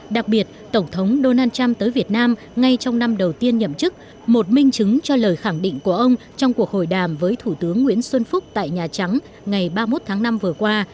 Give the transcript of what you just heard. đặc biệt tổng thống donald trump tới việt nam ngay trong năm đầu tiên nhậm chức một minh chứng cho lời khẳng định của ông trong cuộc hội đàm với thủ tướng nguyễn xuân phúc tại nhà trắng ngày ba mươi một tháng năm vừa qua